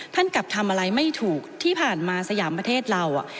กลับทำอะไรไม่ถูกที่ผ่านมาสยามประเทศเรา